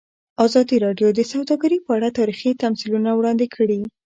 ازادي راډیو د سوداګري په اړه تاریخي تمثیلونه وړاندې کړي.